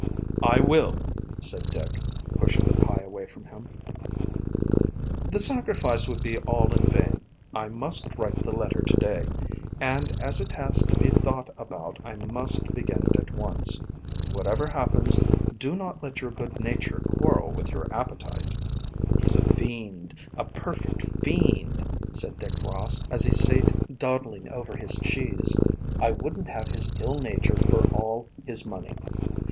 "I will," said Dick, pushing the pie away from him. "The sacrifice would be all in vain. I must write the letter to day, and as it has to be thought about I must begin it at once. Whatever happens, do not let your good nature quarrel with your appetite." "He's a fiend, a perfect fiend," said Dick Ross, as he sate dawdling over his cheese. "I wouldn't have his ill nature for all his money."